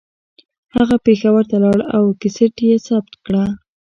هغه پېښور ته لاړ او کیسټ یې ثبت کړه